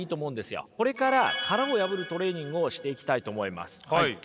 これから殻を破るトレーニングをしていきたいと思います。